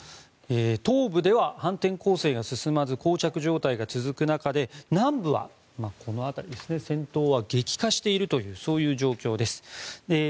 東部では反転攻勢が進まず膠着状態が続く中で南部の戦闘は激化しているという状況です。